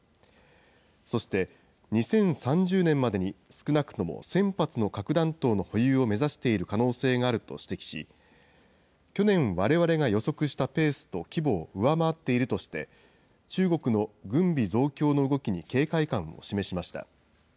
そして、２０３０年までに少なくとも１０００発の核弾頭の保有を目指している可能性があると指摘し、去年、われわれが予測したペースと規模を上回っているとして、中国の軍備増強の動きに警戒感を示しました。